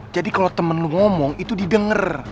jadi kalo temen lu ngomong itu didenger